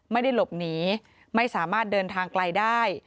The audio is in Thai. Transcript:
ไม่ได้หลบหนีไม่สามารถเดินทางไกลได้